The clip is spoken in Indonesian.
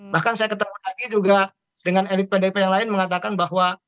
bahkan saya ketemu lagi juga dengan elit pdip yang lain mengatakan bahwa